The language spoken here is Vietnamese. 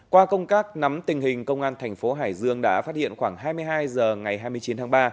qua công các nắm tình hình công an tp hải dương đã phát hiện khoảng hai mươi hai h ngày hai mươi chín tháng ba